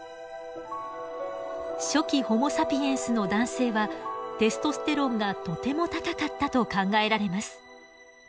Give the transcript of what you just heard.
初期ホモサピエンスの男性はテストステロンがとても高かったと考えられます。